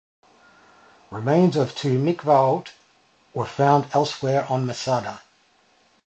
Remains of two mikvaot were found elsewhere on Masada.